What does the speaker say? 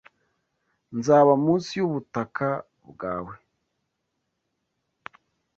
Nzaba munsi y'ubutaka bwawe